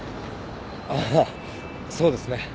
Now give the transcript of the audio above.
ああそうですね。